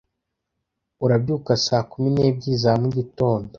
arabyuka saa kumi n'ebyiri za mugitondo.